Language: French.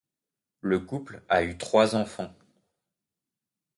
Le couple a eu trois enfants.